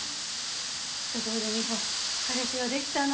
ところでミホ彼氏はできたの？